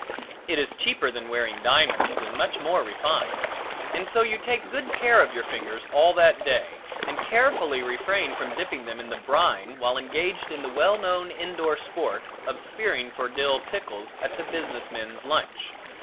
It is cheaper than wearing diamonds and much more refined, and so you take good care of your fingers all that day and carefully refrain from dipping them in the brine while engaged in the well known indoor sport of spearing for dill pickles at the business men's lunch.